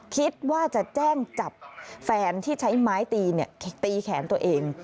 คิดว่าจะแจ้งจับแฟนที่ใช้ไม้ตีตีแขนตัวเอง